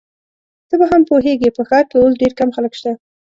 ته به هم پوهیږې، په ښار کي اوس ډېر کم خلک شته.